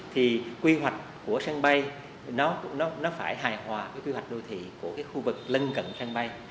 thì quy hoạch của sân bay nó phải hài hòa với quy hoạch đô thị của cái khu vực lân cận sân bay